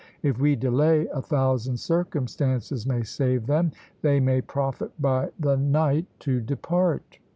If we delay, a thousand circumstances may save them. _They may profit by the night to depart.